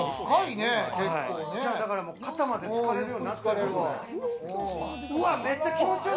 肩までつかれるようになってる。